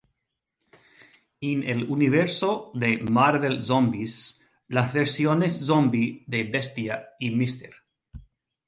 En el universo de "Marvel Zombies", las versiones zombi de Bestia y Mr.